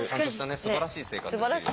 すばらしい生活してる。